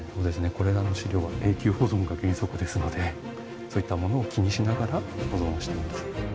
これらの資料は永久保存が原則ですのでそういったものを気にしながら保存をしています。